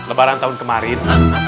lebaran tahun kemarin